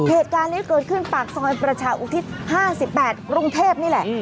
เหตุการณ์นี้เกิดขึ้นปากซอยประชาอุทิศ๕๘กรุงเทพนี่แหละ